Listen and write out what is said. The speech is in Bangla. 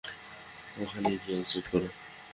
ওখানে গিয়ে চেক কর।